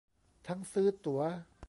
ทั้งซื้อตั๋ว